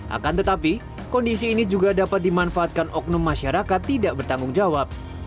akan tetapi kondisi ini juga dapat dimanfaatkan oknum masyarakat tidak bertanggung jawab